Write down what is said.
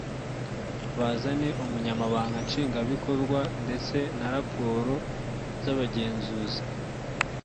bazane umunyamabanga nshingwabikorwa ndetse na raporo z abagenzuzi